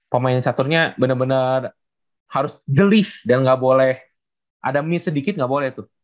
permainan caturnya bener bener harus jelif dan gak boleh ada miss sedikit gak boleh tuh